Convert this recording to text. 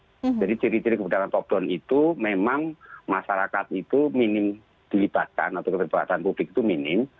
jadi ciri ciri kebijakan top down itu memang masyarakat itu minim dilibatkan atau kebebasan publik itu minim